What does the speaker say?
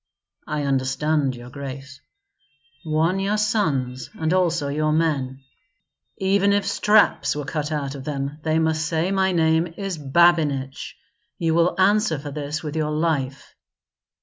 '" "I understand, your grace." "Warn your sons, and also your men. Even if straps were cut out of them, they must say my name is Babinich. You will answer for this with your life."